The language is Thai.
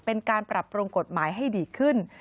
เป็นการปรับปรุงกฎหมายให้ดีขึ้น